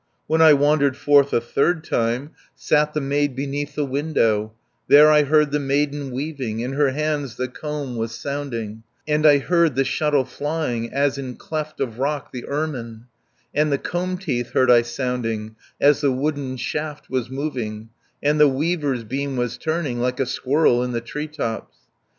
"When I wandered forth a third time Sat the maid beneath the window, There I heard the maiden weaving, In her hands the comb was sounding, And I heard the shuttle flying, As in cleft of rock the ermine, And the comb teeth heard I sounding, As the wooden shaft was moving, 460 And the weaver's beam was turning, Like a squirrel in the tree tops."